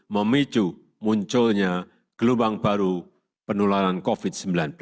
memicu munculnya gelombang baru penularan covid sembilan belas